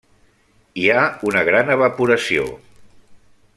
Hi ha una gran evaporació.